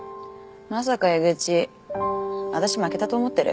まさかエグチ私負けたと思ってる？